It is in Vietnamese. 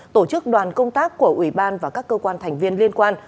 tổ chức đoàn công tác của ủy ban và các cơ quan thành viên liên quan